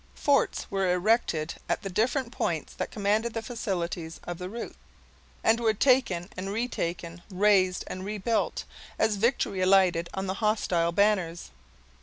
Forts were erected at the different points that commanded the facilities of the route, and were taken and retaken, razed and rebuilt, as victory alighted on the hostile banners.